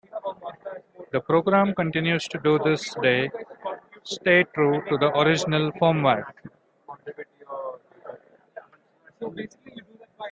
The program continues to this day, staying true to the original format.